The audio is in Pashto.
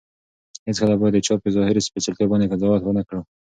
هیڅکله باید د چا په ظاهري سپېڅلتیا باندې قضاوت ونه کړو.